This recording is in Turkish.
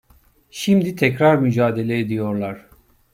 Şimdi tekrar mücadele ediyorlar.